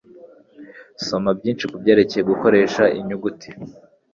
Soma byinshi kubyerekeye gukoresha inyuguti